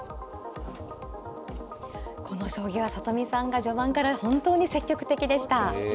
この将棋は里見さんが序盤から本当に積極的でした。